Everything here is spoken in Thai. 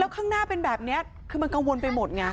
ข้างหน้าเป็นแบบนี้คือมันกังวลไปหมดไง